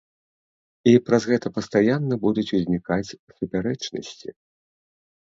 І праз гэта пастаянна будуць узнікаць супярэчнасці.